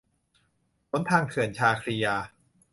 หนทางเถื่อน - ชาครียา